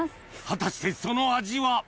果たしてその味は？